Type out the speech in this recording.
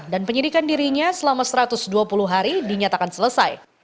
dan penyidikan dirinya selama satu ratus dua puluh hari dinyatakan selesai